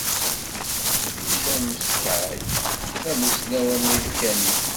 Chomsky d amussnaw amarikani.